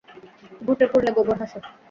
ঘুটে পুড়লে গোবর হাসে।